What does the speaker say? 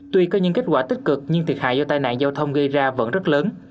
tuy có những kết quả tích cực nhưng thiệt hại do tai nạn giao thông gây ra vẫn rất lớn